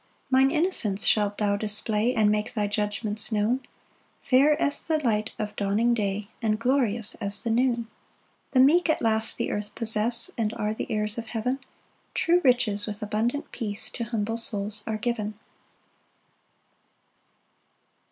3 Mine innocence shalt thou display, And make thy judgments known, Fair as the light of dawning day, And glorious as the noon. 6 The meek at last the earth possess, And are the heirs of heav'n; True riches with abundant peace, To humble souls are given.